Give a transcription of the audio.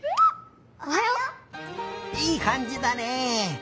いいかんじだね。